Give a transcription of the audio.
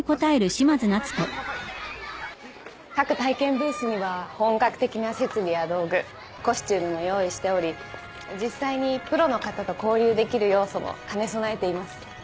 各体験ブースには本格的な設備や道具コスチュームも用意しており実際にプロの方と交流できる要素も兼ね備えています。